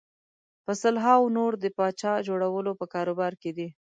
په سلهاوو نور د پاچا جوړولو په کاروبار کې دي.